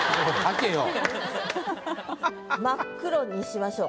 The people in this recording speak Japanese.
「真っ黒」にしましょう。